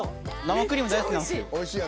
生クリーム大好きなんですよ。